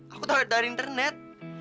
aku tau dari internet